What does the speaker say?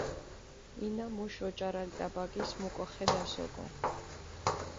ინა მუშ ოჭარალ ტაბაკის მუკოხედას ოკო.